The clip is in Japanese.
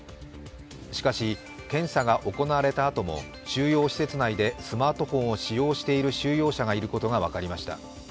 しかし検査が行われたあとも収容施設内でスマートフォンを使用している収容者がいることが分かりました。